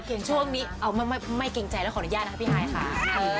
เพียงช่วงนี้ไม่เกรงใจแล้วขออนุญาตนะครับพี่ไห้ค่ะ